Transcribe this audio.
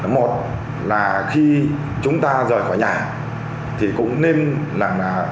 một là khi chúng ta rời khỏi nhà thì cũng nên là